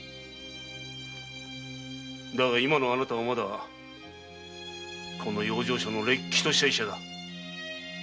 だが今のあなたはまだこの養生所の歴とした医者だ。